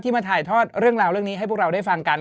มาถ่ายทอดเรื่องราวเรื่องนี้ให้พวกเราได้ฟังกัน